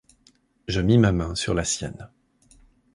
Je mis ma main sur la sienne.